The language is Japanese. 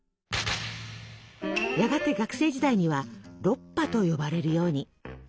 やがて学生時代には「ロッパ」と呼ばれるように。